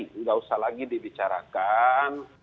tidak usah lagi dibicarakan